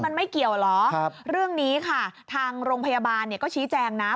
มันไม่เกี่ยวเหรอเรื่องนี้ค่ะทางโรงพยาบาลเนี่ยก็ชี้แจงนะ